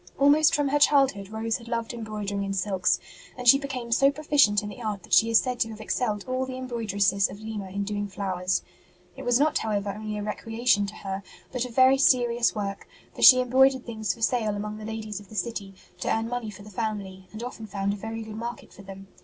Almost from her childhood Rose had loved embroidering in silks, and she became so proficient in the art that she is said to have excelled all the embroidresses of Lima in doing flowers. It was not, however, only a recreation to her, but a very serious work ; for she em broidered things for sale among the ladies of the city, to earn money for the family, and often found a very good market for them.